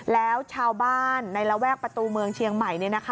แล้วชาวบ้านในระแวกประตูเมืองเชียงใหม่